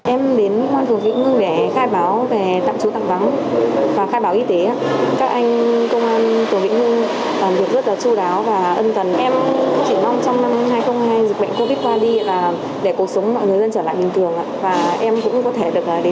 em đến công an phường vĩnh hưng để khai báo về tạm chú tạm vắng và khai báo y tế